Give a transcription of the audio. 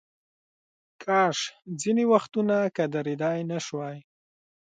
کاش ځینې وختونه که درېدای نشوای.